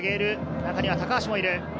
中には高橋もいる。